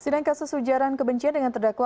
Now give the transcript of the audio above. sidang kasus ujaran kebencian dengan terdakwa